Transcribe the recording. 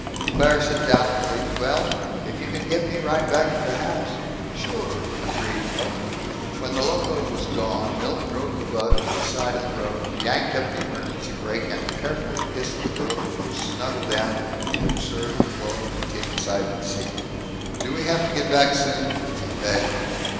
Claire said doubtfully, "Well If you can get me right back to the house " "Sure," agreed Milt. When the Loco was gone, Milt drove the bug to the side of the road, yanked up the emergency brake, and carefully kissed the girl who was snuggled down into the absurd low tin sided seat. "Do we have to get back soon?" he begged.